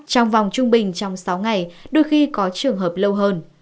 trong vòng trung bình trong sáu ngày đôi khi có trường hợp lâu hơn